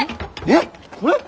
えっ？これ？